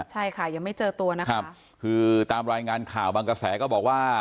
ใช่ค่ะยังไม่เจอตัวนะคะคือตามรายงานข่าวบางกระแสก็บอกว่า